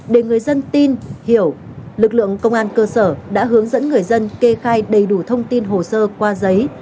để người dân tin hiểu lực lượng công an cơ sở đã hướng dẫn người dân kê khai đầy đủ thông tin hồ sơ qua giấy